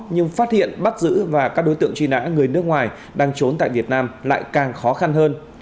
nhưng phát hiện bắt giữ và các đối tượng truy nã người nước ngoài đang trốn tại việt nam lại càng khó khăn hơn